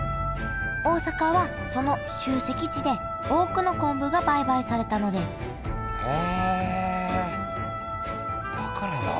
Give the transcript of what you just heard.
大阪はその集積地で多くの昆布が売買されたのですへえだからだ。